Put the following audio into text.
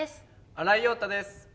新井庸太です。